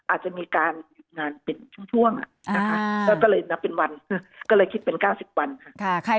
อาจจะมีการงานเป็นช่วงอ่ะแล้วก็เลยเป็นวันก็เลยคิดเป็น๙๐วันค่ะ